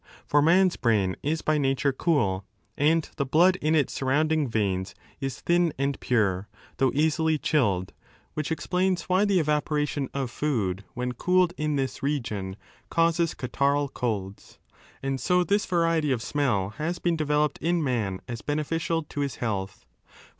For i6 man's brain is by nature cool, and the blood in its surrounding veins is thin and pure, though easily chilled (which explains why the evaporation of food when cooled in this region causes catarrhal colds), and so this variety of smell has been developed in man as beneficial to his health.